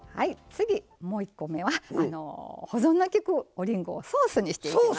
次もう一個目は保存のきくおりんごをソースにしていきます。